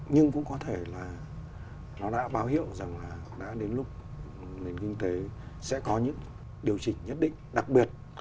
nhưng cũng có thể là nó đã báo hiệu rằng là đã đến lúc nền kinh tế sẽ có những điều chỉnh nhất định đặc biệt